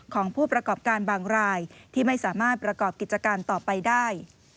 ของผู้ประกอบการบางรายที่ไม่สามารถประกอบกิจการต่อไปได้